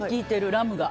ラムが。